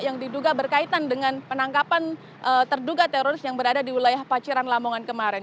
yang diduga berkaitan dengan penangkapan terduga teroris yang berada di wilayah paciran lamongan kemarin